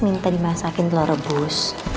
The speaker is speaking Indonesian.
minta dimasakin telur rebus